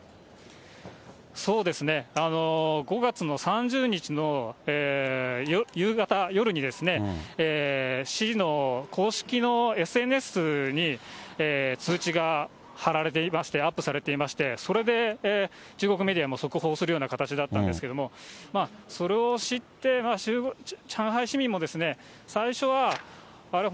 そうですね、５月の３０日の夕方、夜に市の公式のＳＮＳに通知が張られていまして、アップされていまして、それで中国メディアも速報するような形だったんですけれども、それを知って、上海市民も、最初はあれ？